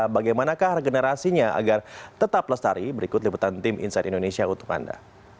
bagaimana kah generasinya agar tetap lestari berikut liputan tim insight indonesia untuk anda